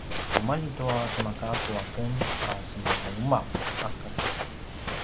kumalji tua semagakku aken a semauma’ aken